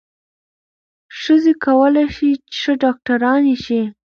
ښځې کولای شي چې ښې ډاکټرانې شي.